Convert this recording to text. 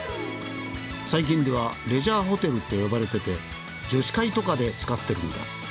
「最近ではレジャーホテルって呼ばれてて女子会とかで使ってるんだって！」